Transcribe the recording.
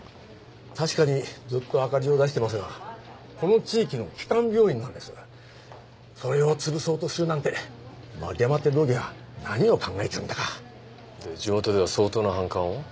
確かにずっと赤字を出してますがこの地域の基幹病院なんですそれを潰そうとするなんて丸山って道議は何を考えてるんだか地元では相当な反感を？